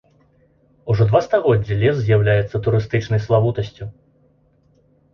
Ужо два стагоддзі лес з'яўляецца турыстычнай славутасцю.